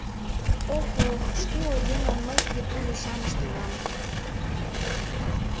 — Ох, ох, шке ойгемлан мый тиде пу йочам ыштенам!